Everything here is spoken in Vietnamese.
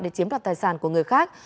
để chiếm đoạt tài sản của người khác